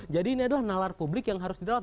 jadi ini adalah nalar publik yang harus didalat